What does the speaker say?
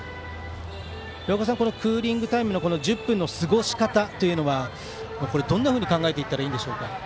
廣岡さん、クーリングタイムの１０分の過ごし方というのはどんなふうに考えたらいいでしょうか。